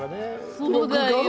そうだよ。